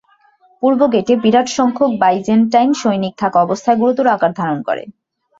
পূর্ব গেটে বিরাট সংখ্যক বাইজেন্টাইন সৈনিক থাকায় অবস্থা গুরুতর আকার ধারণ করে।